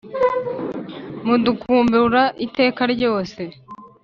mudukumbura iteka ryose